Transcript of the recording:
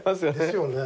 ですよね。